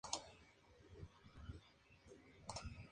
Además del baloncesto, practicó atletismo, fútbol americano y tenis.